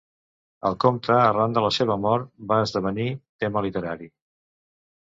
El comte, arran de la seva mort, va esdevenir tema literari.